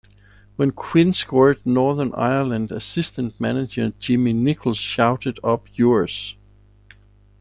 When Quinn scored Northern Ireland assistant manager Jimmy Nicholl shouted Up yours!